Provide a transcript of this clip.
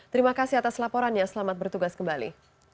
terima kasih atas laporannya selamat bertugas kembali